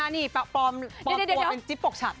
นี่ปลอมตัวเป็นจิ๊บปกฉัด